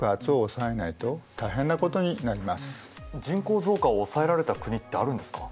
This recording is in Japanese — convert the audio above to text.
人口増加を抑えられた国ってあるんですか？